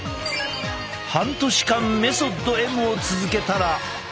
半年間メソッドＭを続けたら。